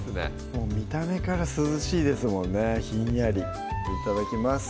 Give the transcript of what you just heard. もう見た目から涼しいですもんねひんやりいただきます